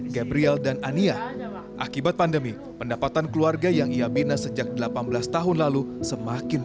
gabriel dan ania akibat pandemi pendapatan keluarga yang ia bina sejak delapan belas tahun lalu semakin